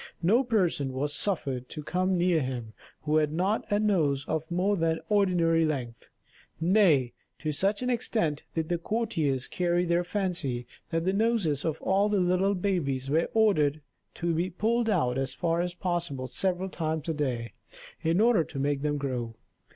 No person was suffered to come near him who had not a nose of more than ordinary length; nay, to such an extent did the courtiers carry their fancy, that the noses of all the little babies were ordered to be pulled out as far as possible several times a day, in order to make them grow.